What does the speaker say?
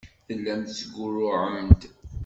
Tellam tettgurruɛem-d.